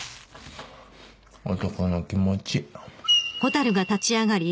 男の気持ち。